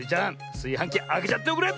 すいはんきあけちゃっておくれ！